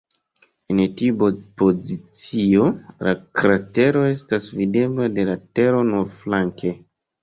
En tiu pozicio, la kratero estas videbla de la Tero nur flanke.